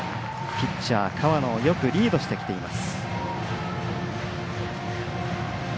ピッチャー、河野をよくリードしてきています。